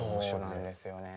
そうなんですよね。